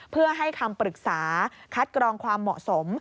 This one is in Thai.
เพื่อให้คำปรึกษาคัดกรองความเหมาะสม